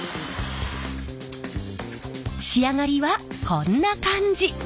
仕上がりはこんな感じ。